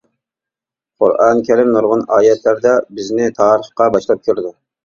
قۇرئان كەرىم نۇرغۇن ئايەتلىرىدە بىزنى تارىخقا باشلاپ كىرىدۇ.